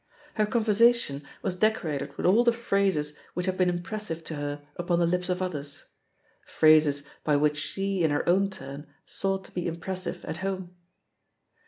Her conversation was decorated with all the phrases which had been impressive to her upon the lips of others — ^phrases by which she, in her own turn, sought to be impressive at home.